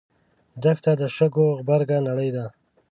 دښته د شګو غبرګه نړۍ ده.